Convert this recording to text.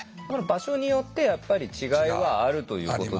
場所によってやっぱり違いはあるということですよね。